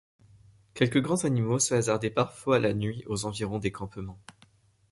Quelques grands animaux se hasardaient parfois la nuit aux environs des campements.